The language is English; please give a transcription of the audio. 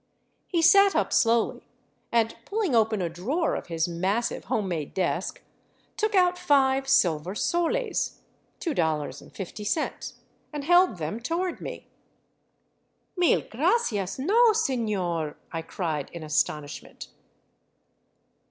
I '■ He sat up slowly and, pulling open a drawer of his massive home made desk, took out five silver soles ($2.50), and held them toward me. " Mil gracias, no, seiior," I cried in astonishment.